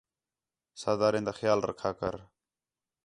ساداریں تا خیال رکھا کر